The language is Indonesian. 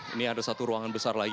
ini ada satu ruangan besar lagi